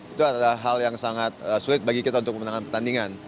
itu adalah hal yang sangat sulit bagi kita untuk memenangkan pertandingan